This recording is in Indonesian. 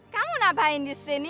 kamu ngapain di sini